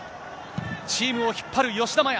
チームを引っ張る吉田麻也。